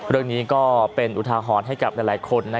เรื่องนี้ก็เป็นอุทาหรณ์ให้กับหลายคน